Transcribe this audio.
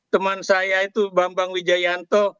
teman saya itu bambang wijayanto